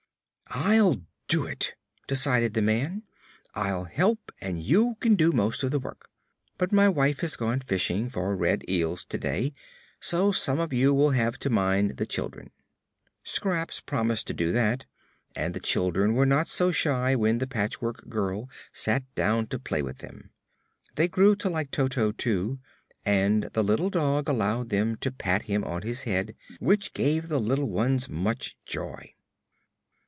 "I'll do it," decided the man. "I'll help, and you can do most of the work. But my wife has gone fishing for red eels to day, so some of you will have to mind the children." Scraps promised to do that, and the children were not so shy when the Patchwork Girl sat down to play with them. They grew to like Toto, too, and the little dog allowed them to pat him on his head, which gave the little ones much joy.